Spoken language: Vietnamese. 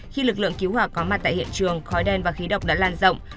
khi lực lượng cứu hỏa có mặt tại hiện trường khói đen và khí độc đã lan rộng